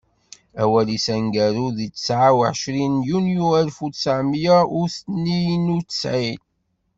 Awal-is aneggaru deg ttɛa u ɛcrin Yunyu alef u ttɛemya u tniyen u ttɛin.